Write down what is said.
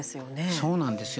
そうなんですよ。